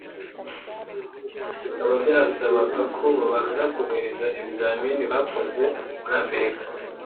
bikaba byasabaga ko babanza kohereza ibizamini bakoze muri Amerika